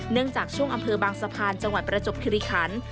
จากช่วงอำเภอบางสะพานจังหวัดประจบคิริคัน